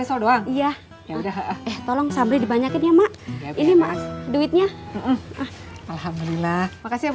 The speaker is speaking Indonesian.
besok doang iya ya udah eh tolong sambil dibanyakin ya mak ini makasih duitnya alhamdulillah makasih